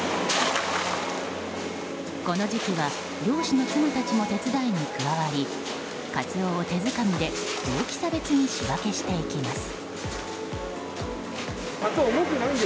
この時期は漁師の妻たちも手伝いに加わりカツオを手づかみで大きさ別に仕分けしていきます。